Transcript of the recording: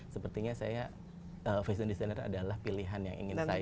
sepertinya saya fashion designer adalah pilihan yang ingin saya luti ke depan